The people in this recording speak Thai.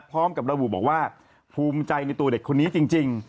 พร้อมกับระบุบอกว่าภูมิใจในตัวเด็กคนนี้จริง